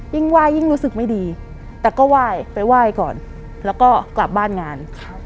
ไหว้ยิ่งรู้สึกไม่ดีแต่ก็ไหว้ไปไหว้ก่อนแล้วก็กลับบ้านงาน